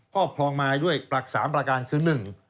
ครอบครองไม้ด้วยปรัก๓ประการคือ๑